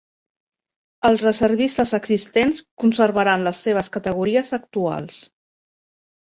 Els reservistes existents conservaran les seves categories actuals.